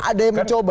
ada yang mencoba